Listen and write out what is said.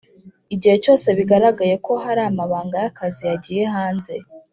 Igihe cyose bigaragaye ko haramabanga ya kazi yagiye hanze